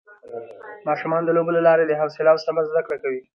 ماشومان د لوبو له لارې د حوصله او صبر زده کړه کوي